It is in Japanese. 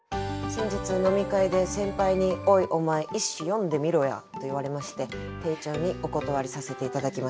先日飲み会で先輩に「おいお前一首詠んでみろや」と言われまして丁重にお断りさせて頂きました。